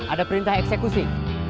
ada perintah eksekusi